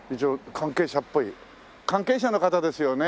関係者の方ですよね？